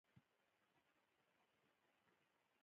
ایا زه باید نارامه شم؟